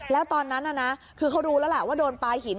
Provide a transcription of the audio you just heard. แล้วตอนนั้นคือเขารู้แล้วแหละว่าโดนปลาหิน